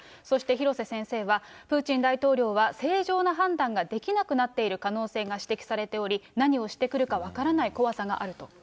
そして、廣瀬先生は、プーチン大統領は正常な判断ができなくなっている可能性が指摘されており、何をしてくるか分からない怖さがあると。